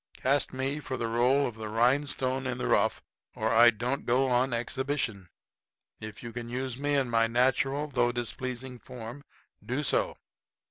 Cast me for the role of the rhinestone in the rough or I don't go on exhibition. If you can use me in my natural, though displeasing form, do so."